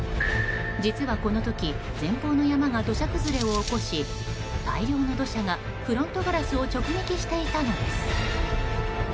実は、この時前方の山が土砂崩れを起こし大量の土砂がフロントガラスを直撃していたのです。